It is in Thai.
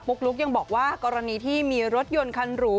ลุ๊กยังบอกว่ากรณีที่มีรถยนต์คันหรู